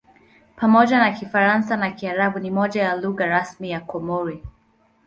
Pamoja na Kifaransa na Kiarabu ni moja ya lugha rasmi ya Komori.